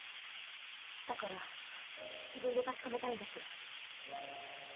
だから自分で確かめたいんです。